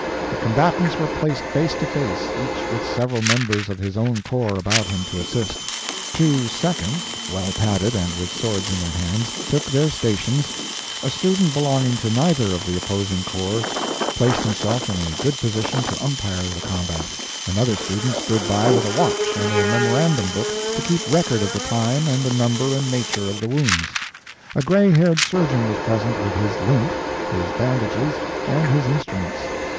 The combatants were placed face to face, each with several members of his own corps about him to assist; two seconds, well padded, and with swords in their hands, took their stations; a student belonging to neither of the opposing corps placed himself in a good position to umpire the combat; another student stood by with a watch and a memorandum book to keep record of the time and the number and nature of the wounds; a gray haired surgeon was present with his lint, his bandages, and his instruments.